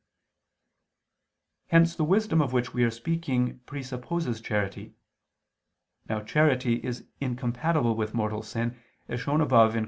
Hence the wisdom of which we are speaking presupposes charity. Now charity is incompatible with mortal sin, as shown above (Q.